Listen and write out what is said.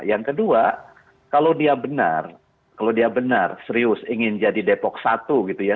yang kedua kalau dia benar kalau dia benar serius ingin jadi depok satu gitu ya